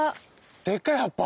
でかい葉っぱ？